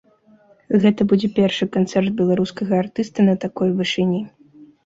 Гэта будзе першы канцэрт беларускага артыста на такой вышыні.